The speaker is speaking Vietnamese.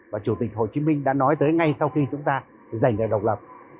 và chủ tịch hồ chí minh đã nói tới ngay sau khi chúng ta giành được độc lập